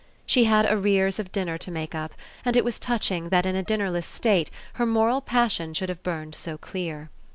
She had arrears of dinner to make up, and it was touching that in a dinnerless state her moral passion should have burned so clear.